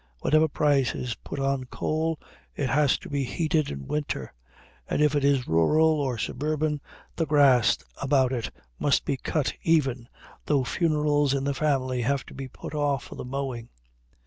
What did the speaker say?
Whatever price is put on coal, it has to be heated in winter; and if it is rural or suburban, the grass about it must be cut even though funerals in the family have to be put off for the mowing.